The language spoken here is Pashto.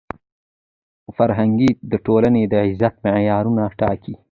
فرهنګ د ټولني د عزت معیارونه ټاکي.